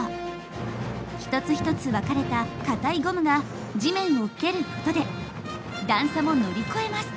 一つ一つ分かれたかたいゴムが地面を蹴ることで段差も乗り越えます。